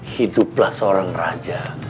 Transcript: hiduplah seorang raja